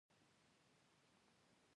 مصنوعي ځیرکتیا د خبر رسولو بڼه بدلوي.